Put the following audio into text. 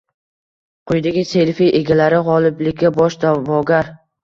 Quyidagi selfi egalari gʻoliblikka bosh daʼvogar.